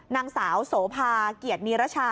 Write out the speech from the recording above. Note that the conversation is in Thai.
นางสาวโสภาเกียรตินีรชา